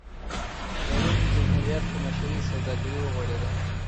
د روم جمهوریت په مشرۍ سوداګري وغوړېده.